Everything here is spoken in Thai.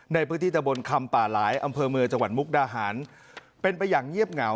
ในพื้นที่ตะบนคำป่าหลายอำเภอเมืองจังหวัดมุกดาหารเป็นไปอย่างเงียบเหงา